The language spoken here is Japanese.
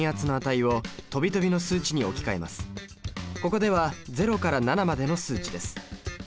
ここでは０から７までの数値です。